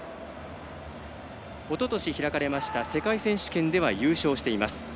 おととし開かれました世界選手権では優勝しています。